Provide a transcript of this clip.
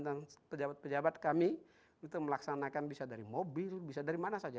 dan pejabat pejabat kami itu melaksanakan bisa dari mobil bisa dari mana saja